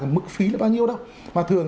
mức phí là bao nhiêu đâu mà thường